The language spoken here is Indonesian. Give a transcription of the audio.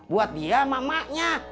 buat dia sama emaknya